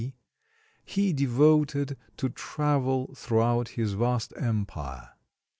D.) he devoted to travel throughout his vast empire.